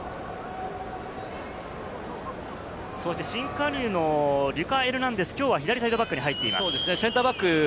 新加入のリュカ・エルナンデスが、きょうは左サイドバックに入っています。